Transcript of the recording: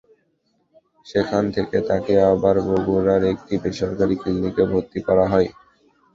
সেখান থেকে তাঁকে আবার বগুড়ার একটি বেসরকারি ক্লিনিকে ভর্তি করা হয়।